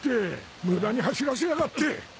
無駄に走らせやがって！